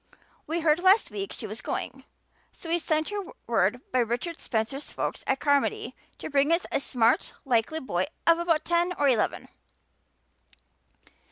We heard last week she was going, so we sent her word by Richard Spencer's folks at Carmody to bring us a smart, likely boy of about ten or eleven.